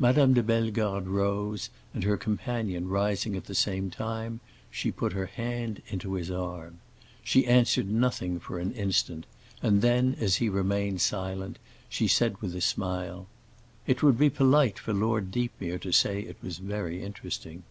Madame de Bellegarde rose, and her companion rising at the same time, she put her hand into his arm. She answered nothing for an instant, and then, as he remained silent, she said with a smile, "It would be polite for Lord Deepmere to say it was very interesting."